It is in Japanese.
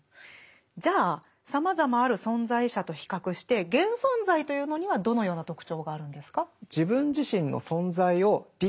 じゃあさまざまある存在者と比較して「現存在」というのにはどのような特徴があるんですか？